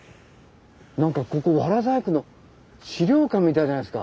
なんかここワラ細工の資料館みたいじゃないですか。